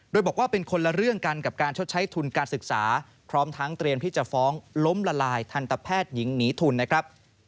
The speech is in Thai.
โดยบอกว่าเป็นคนละเรื่องกันกับการชดใช้ทุนการศึกษาพร้อมทั้งเตรียมที่จะฟ้องล้มละลายทันตแพทย์หญิงหนีทุนนะครับ